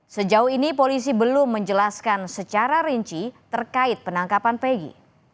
sejauh ini polisi belum menjelaskan secara rinci terkait penangkapan pegi